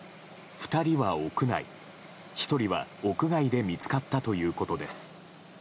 ２人は屋内、１人は屋外で見つかったということです。